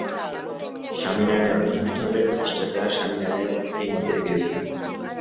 স্বামীনারায়ণ হিন্দুধর্মের প্রতিষ্ঠাতা স্বামীনারায়ণ এই মতের বিরোধী।